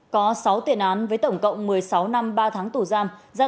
có sáu tiền án với tổng cộng một mươi sáu năm ba tháng tù giam